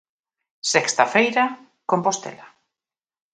Sexta feira, Compostela.